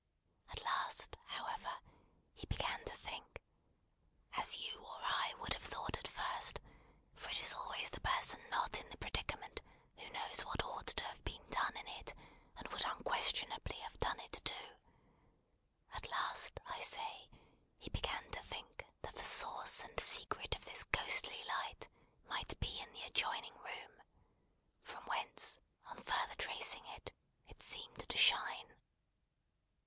At last, however, he began to think as you or I would have thought at first; for it is always the person not in the predicament who knows what ought to have been done in it, and would unquestionably have done it too at last, I say, he began to think that the source and secret of this ghostly light might be in the adjoining room, from whence, on further tracing it, it seemed to shine.